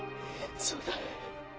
そうだ。